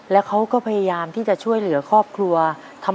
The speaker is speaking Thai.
แล้วเขาก็พยายามที่จะช่วยเหลือครอบครัวทำมาหากินด้วย